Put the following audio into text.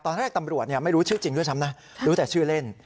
ตอนแรกตำรวจไม่รู้ชื่อจริงด้วยซ้ำนะรู้แต่ชื่อเล่น